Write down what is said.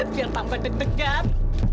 biar tambah deg degan